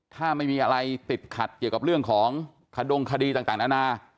ถ้าไม่มีอะไรติดขัดเกี่ยวกับเรื่องของขดงคดีต่างนานา